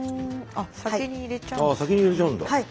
あ先に入れちゃうんだ。